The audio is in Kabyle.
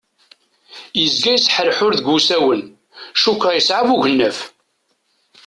Yezga yesḥerḥur deg usawen, cukkeɣ yesɛa buneggaf.